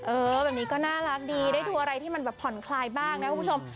เออแบบนี้ก็น่ารักดีได้ดูอะไรที่มันแบบผ่อนคลายบ้างนะคุณผู้ชม